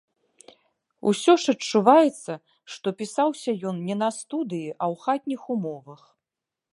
Усё ж адчуваецца, што пісаўся ён не на студыі, а ў хатніх умовах.